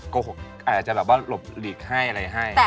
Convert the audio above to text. อาจจะแบบว่าหลบหลีกให้อะไรให้